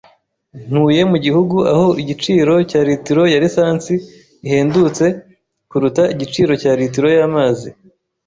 Ntuye mu gihugu aho igiciro cya litiro ya lisansi ihendutse kuruta igiciro cya litiro y'amazi